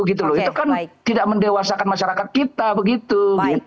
itu kan tidak mendewasakan masyarakat kita begitu